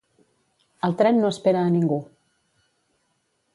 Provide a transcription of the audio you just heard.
El tren no espera a ningú.